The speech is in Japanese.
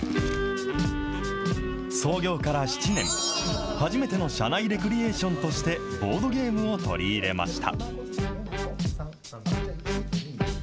創業から７年、初めての社内レクリエーションとして、ボードゲームを取り入れました。